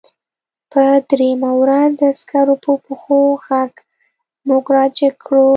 په درېیمه ورځ د عسکرو د پښو غږ موږ راجګ کړو